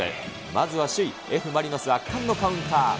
まずは首位、Ｆ・マリノスは圧巻のカウンター。